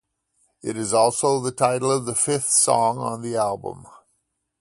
It is also the title of the fifth song on the album.